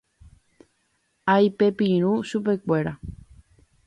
Aipepirũ chupekuéra.